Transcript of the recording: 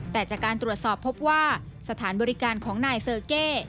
แต่จากการตรวจสอบพบว่าสถานบริการของนายเซอร์เก้